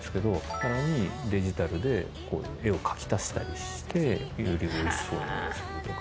さらにデジタルで絵を描き足したりしてよりおいしそうに見せるとか。